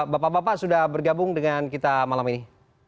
bapak bapak sudah bergabung dengan kita malam ini